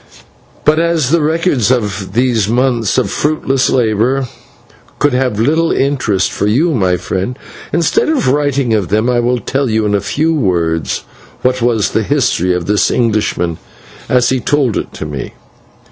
But as the records of those months of fruitless labour could have little interest for you, my friend, instead of writing of them, I will tell you in few words what was the history of this Englishman as he told it to me.